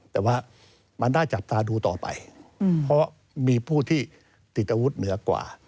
แต่ว่ามันน่าจับตาดูต่อไปเพราะมีผู้ที่ติดอาวุธเหนือกว่า